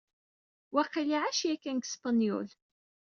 Waqil iɛac yakan deg Spenyul.